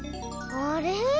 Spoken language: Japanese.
あれ？